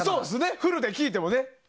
フルで聴いてもね。